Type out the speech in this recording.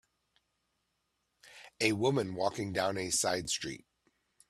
A woman walking down a side street